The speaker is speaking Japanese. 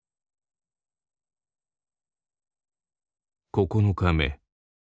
９日目。